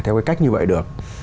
theo cái cách như vậy được